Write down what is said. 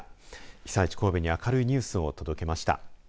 被災地、神戸に明るいニュースを届けました。